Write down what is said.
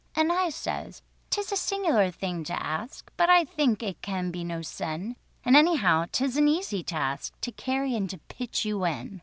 And I says, "'Tis a singular thing to ask, But I think it can be no sin, And anyhow 'tis an easy task To carry and pitch you in."